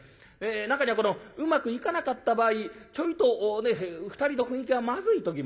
中にはこのうまくいかなかった場合ちょいとね２人の雰囲気がまずい時もある。